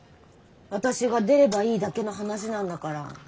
私が出ればいいだけの話なんだから。